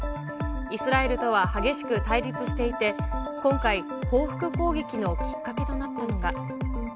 イスラエルとは激しく対立していて、今回、報復攻撃のきっかけとなったのが。